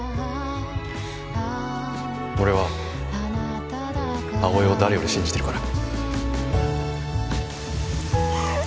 俺は葵を誰より信じてるから。